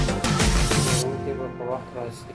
ژغورونکی به په وخت راشي.